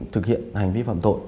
thực hiện hành vi phạm tội